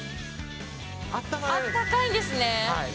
あったかいんですね。